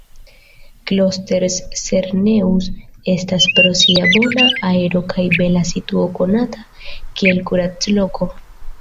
Klosters-Serneus estas pro sia bona aero kaj bela situo konata kiel kuracloko.